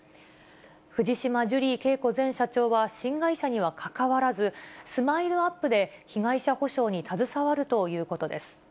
藤島ジュリー景子前社長は新会社にはかかわらず、スマイルアップで被害者補償に携わるということです。